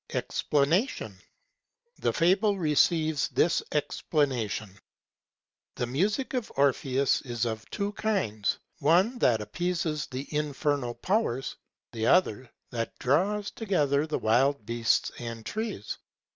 EXPLANATION.—The fable receives this explanation. The music of Orpheus is of two kinds; one that appeases the infernal powers, and the other that draws together the wild beasts and trees.